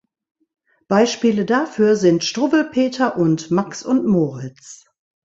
Beispiele dafür sind Struwwelpeter und Max und Moritz.